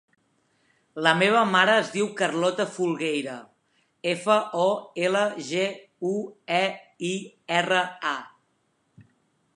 La meva mare es diu Carlota Folgueira: efa, o, ela, ge, u, e, i, erra, a.